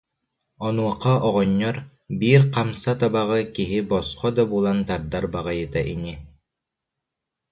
Онуоха оҕонньор: «Биир хамса табаҕы киһи босхо да булан тардар баҕайыта ини»